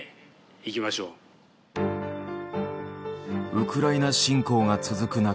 ウクライナ侵攻が続くなか